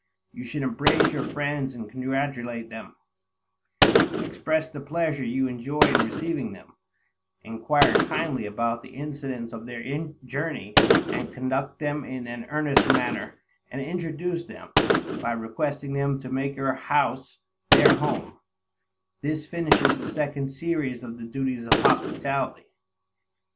You should embrace your friends and congratulate them; express the pleasure you enjoy in receiving them, inquire kindly about the incidents of their journey, and conduct them in an earnest manner, and introduce them, by requesting them to make your house their home; this finishes the second series of the duties of hospitality.